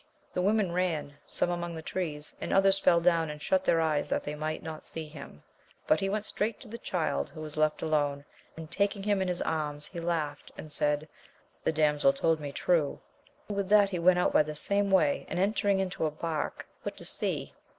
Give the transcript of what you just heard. The women ran, some among the trees, and others fell down and shut their eyes that they might not see him. But he went straight to the child, who was left alone, and, taking him in his arms, he laughed, and said, The damsel told me true. And with that he went • out by the same way, and, entering into a bark, put to sea.